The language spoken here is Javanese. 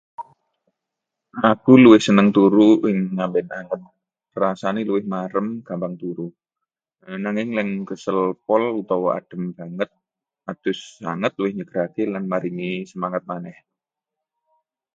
Aku luwih seneng turu ing amben anget—rasane luwih marem, gampang turu. Nanging yen kesel pol utawa adhem banget, adus anget luwih nyegerake lan maringi semangat maneh.